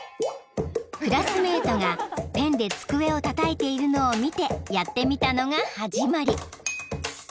［クラスメートがペンで机をたたいているのを見てやってみたのが始まり］